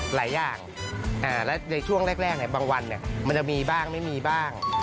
หลายอย่างและในช่วงแรกบางวันมันจะมีบ้างไม่มีบ้าง